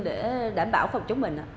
để đảm bảo phòng chống bệnh á